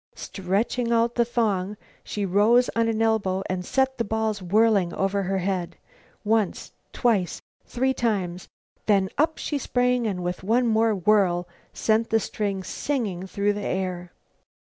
Stretching out the thong, she rose on an elbow and set the balls whirling over her head. Once, twice, three times, then up she sprang and with one more whirl sent the string singing through the air.